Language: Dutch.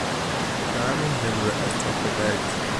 Daarmee hebben we echt wat bereikt.